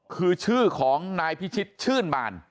คือชื่อของนายพิชิตชื่นบาน